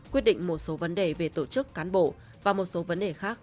quyết định một số vấn đề về tổ chức cán bộ và một số vấn đề khác